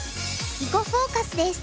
「囲碁フォーカス」です。